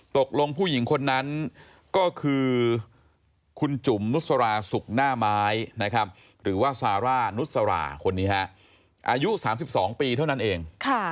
ตกลงผู้หญิงคนนั้นก็คือคุณจุ๋มนุษราสุกหน้าไม้นะครับหรือว่าซาร่านุสราคนนี้ฮะอายุ๓๒ปีเท่านั้นเอง